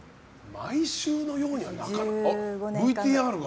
毎週のようにはなかなか。